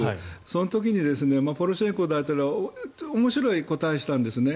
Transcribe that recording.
その時にポロシェンコ大統領は面白い答えをしたんですね。